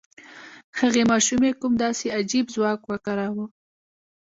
هغې ماشومې کوم داسې عجيب ځواک وکاراوه؟